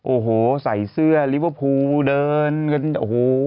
โอ้โหใส่เสื้อลิเวอร์พูลเดินกันโอ้โห